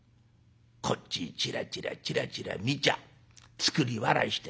こっちチラチラチラチラ見ちゃ作り笑いして。